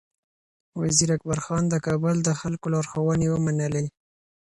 وزیر اکبر خان د کابل د خلکو لارښوونې ومنلې.